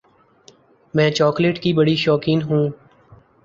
میں چاکلیٹ کی بڑی شوقین ہوں۔